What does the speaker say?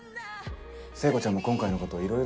聖子ちゃんも今回のこといろいろ。